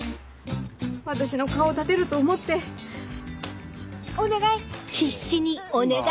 私の顔を立てると思ってお願い！